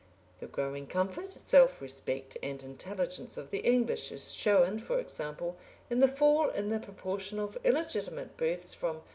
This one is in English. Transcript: The growing comfort, self respect, and intelligence of the English is shown, for example, in the fall in the proportion of illegitimate births from 2.